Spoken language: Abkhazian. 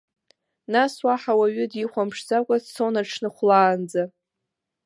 Нас уаҳа уаҩы дихәамԥшӡакәа дцон аҽны хәлаанӡа.